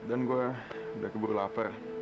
dan gue udah keburu lapar